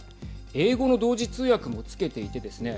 英語の同時通訳もつけていてですね